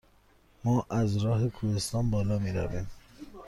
ما از راه کوهستان بالا می رویم؟